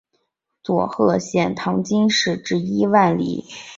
佐贺县唐津市至伊万里市间沿东松浦半岛玄界滩而建。